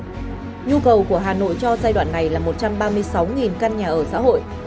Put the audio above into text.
nhu cầu của hà nội cho giai đoạn này là một trăm ba mươi sáu căn nhà ở xã hội